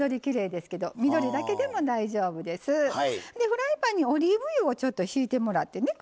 フライパンにオリーブ油をちょっとひいてもらってね